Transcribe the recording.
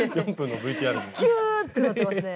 キューッってなってますね。